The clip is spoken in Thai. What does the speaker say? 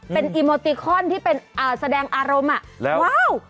เป็นอีโมติคอนที่เป็นแสดงอารมณ์แล้วว้าว